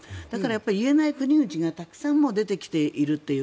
言えない国がたくさん出てきていると。